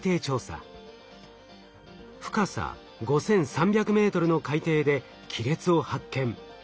深さ５，３００ｍの海底で亀裂を発見。